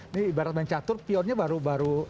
ini ibarat mencatur pionnya baru baru